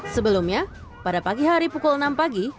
sebelumnya pada pagi hari pukul enam pagi